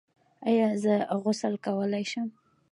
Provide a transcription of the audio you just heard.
ایا زه غسل کولی شم؟